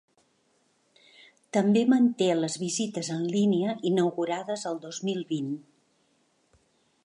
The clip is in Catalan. També manté les visites en línia inaugurades el dos mil vint.